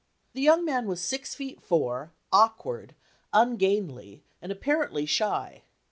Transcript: The young man was six feet four, awkward, ungainly and appar ently shy.